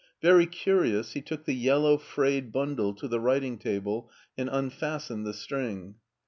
Very curiou3, he took the yellow, frayed bundle to the writing table and unfastened the string.